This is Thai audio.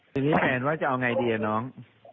ทีนี้แฟนว่าจะเอาไงดีอะน้อง